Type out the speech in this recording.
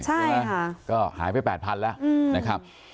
ใช่ค่ะก็หายไปแปดพันธุ์แล้วนะครับ